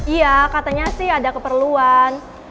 iya katanya sih ada keperluan